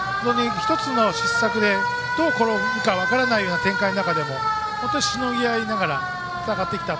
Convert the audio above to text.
１つの失策でどう転ぶか分からないような展開の中でもしのぎ合いながら戦ってきた。